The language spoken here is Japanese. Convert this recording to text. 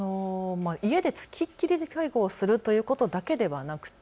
家で付きっきりで介護をするということだけではなくて